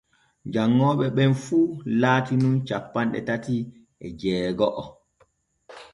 Janŋooɓe ɓen fu laati nun cappanɗe tati e jeego’o.